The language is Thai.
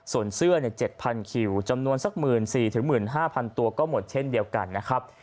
ส่วนเสื้อ๗๐๐คิวจำนวนสัก๑๔๑๕๐๐ตัวก็หมดเช่นเดียวกันนะครับ